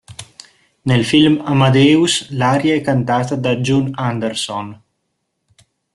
Nel film "Amadeus" l'aria è cantata da June Anderson.